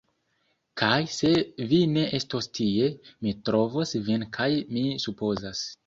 Kaj se vi ne estos tie, mi trovos vin kaj mi supozas